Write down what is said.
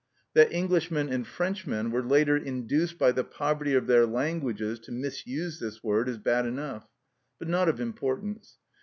That Englishmen and Frenchmen were later induced by the poverty of their languages to misuse this word is bad enough, but not of importance.